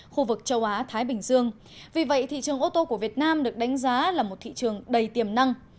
khu vực châu á thái bình dương vì vậy thị trường ô tô của việt nam được đánh giá là một thị trường đầy tiềm năng